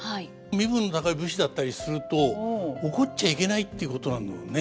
身分の高い武士だったりすると怒っちゃいけないっていうことなんだろうね。